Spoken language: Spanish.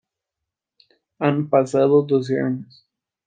Han pasado doce años.